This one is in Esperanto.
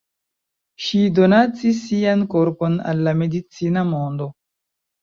Ŝi donacis sian korpon al la medicina mondo.